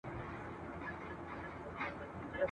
او په ګلڅانګو کي له تاکه پیمانې وي وني !.